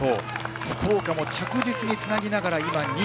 福岡も着実につなげながら２位。